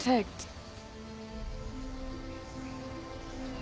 あ。